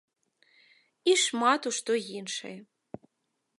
І шмат у што іншае.